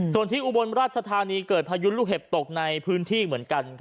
ส่วนที่อุบลราชธานีเกิดพายุลูกเห็บตกในพื้นที่เหมือนกัน